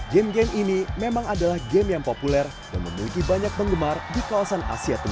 game game ini memang adalah game yang populer dan memiliki banyak penonton